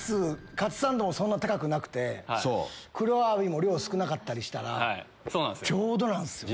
カツサンドもそんな高くなくて黒アワビ量少なかったりしたらちょうどなんすよね。